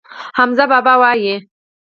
حمزه بابا وايي.